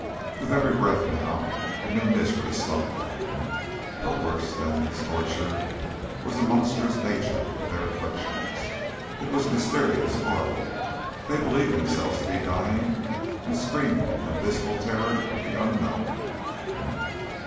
With every breath, now, a new misery smote them. But worse than this torture was the monstrous nature of their afflictions. It was mysterious, horrible; they believed themselves to be dying and screamed in abysmal terror of the unknown.